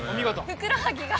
ふくらはぎが。